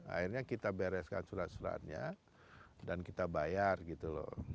akhirnya kita bereskan surat suratnya dan kita bayar gitu loh